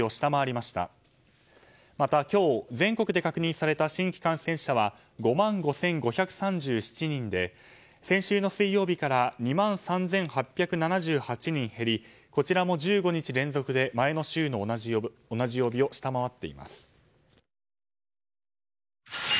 また今日、全国で確認された新規感染者は５万５５３７人で先週の水曜日から２万３８７２人減りこちらも１５日連続で前の週の同じ曜日を下回っています。